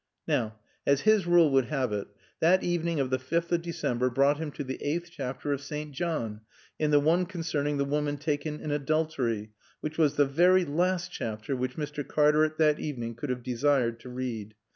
Now, as his rule would have it, that evening of the fifth of December brought him to the Eighth chapter of St. John, in the one concerning the woman taken in adultery, which was the very last chapter which Mr. Cartaret that evening could have desired to read.